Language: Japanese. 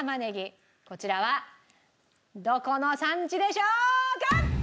こちらはどこの産地でしょうか？